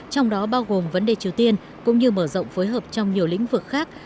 trong đó bao gồm vấn đề triều tiên cũng như mở rộng phối hợp trong nhiều lĩnh vực khác